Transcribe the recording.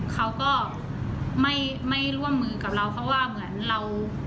เขาก็ไม่ร่วมมือกับเราเพราะว่าเหมือนเรา